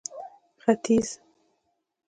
ختيځ